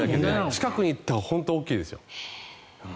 近くに行ったら本当に大きいですよ。